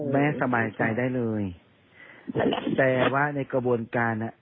สบายใจได้เลยแต่ว่าในกระบวนการอ่ะ